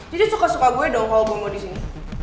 jadi suka suka gue dong kalau gue mau disini